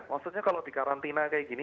maksudnya kalau di karantina kayak gini